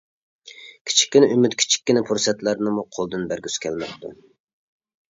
كىچىككىنە ئۈمىد، كىچىككىنە پۇرسەتلەرنىمۇ قولدىن بەرگۈسى كەلمەپتۇ.